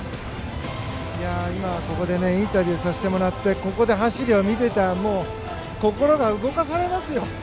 今、ここでインタビューさせてもらってここで走りを見てたら心が動かされますよ！